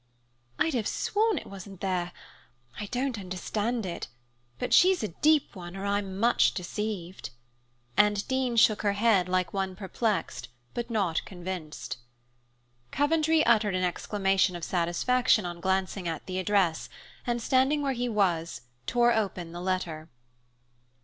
"I'd have sworn it wasn't there! I don't understand it, but she's a deep one, or I'm much deceived." And Dean shook her head like one perplexed, but not convinced. Coventry uttered an exclamation of satisfaction on glancing at the address and, standing where he was, tore open the letter.